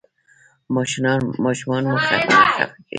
ماشومان مه خفه کوئ.